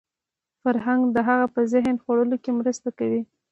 فرهنګ د هغه په ذهن جوړولو کې مرسته کوي